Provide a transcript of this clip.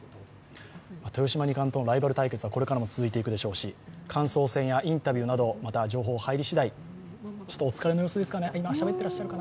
豊島二冠とのライバル対決はこれからも続いていくでしょうし感想戦やインタビューなど、また情報が入り次第、ちょっとお疲れですかね。